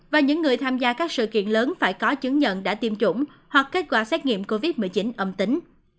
và những người tham gia các sự kiện lớn phải có chứng nhận đã tiêm chủng hoặc kết quả xét nghiệm covid một mươi chín âm tính